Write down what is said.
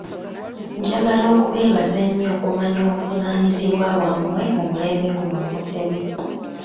Njagala okubeebaza ennyo okumanya obuvunaanyizibwa bwammwe mu mulembe guno Omutebi.